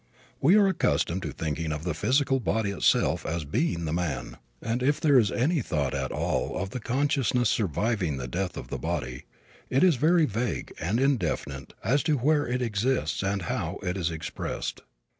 We are accustomed to thinking of the physical body itself as being the man, and if there is any thought at all of the consciousness surviving the death of the body it is very vague and indefinite as to where it exists and how it is expressed.